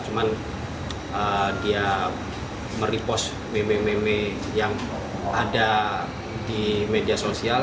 cuman dia merepost meme meme yang ada di media sosial